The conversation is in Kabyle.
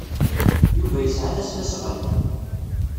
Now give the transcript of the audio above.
Yuba yesɛa tasnasɣalt.